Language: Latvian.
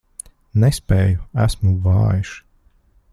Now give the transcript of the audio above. Nespēju, esmu vājš.